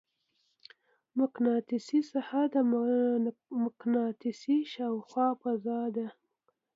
مقناطیسي ساحه د مقناطیس شاوخوا فضا ده.